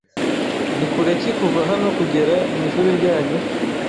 Ni kure ki kuva hano kugera mwishuri ryanyu?